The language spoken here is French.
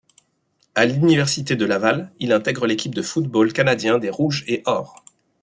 À l'Université de Laval, il intègre l'équipe de football canadien des Rouge et Or.